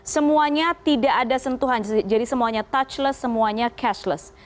semuanya tidak ada sentuhan jadi semuanya touchless semuanya cashless